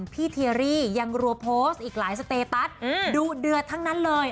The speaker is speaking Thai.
เทียรี่ยังรัวโพสต์อีกหลายสเตตัสดุเดือดทั้งนั้นเลย